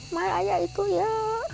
mak ayah itu ya